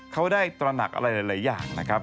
เขาได้ตระหนักอะไรหลายอย่างนะครับ